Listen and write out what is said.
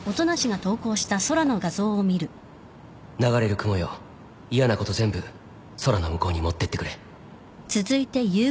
「流れる雲よいやなこと全部空の向こうに持ってってくれ」